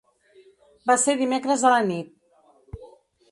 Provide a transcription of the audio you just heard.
Va ser dimecres a la nit.